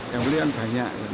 yang beli kan banyak